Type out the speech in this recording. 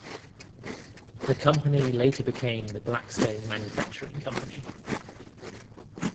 The company later became the Blackstone Manufacturing Company.